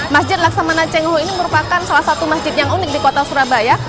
masjid laksamana cengho ini merupakan salah satu masjid yang unik di kota surabaya